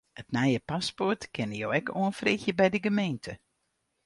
It nije paspoart kinne jo ek oanfreegje by de gemeente.